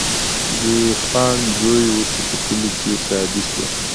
د خان زوی وسو په کلي کي ښادي سوه